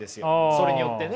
それによってね。